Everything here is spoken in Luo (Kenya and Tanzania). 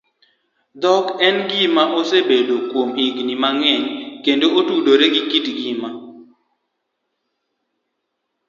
Dhok en gima osebedoe kuom higini mang'eny kendo otudore gi kit ngima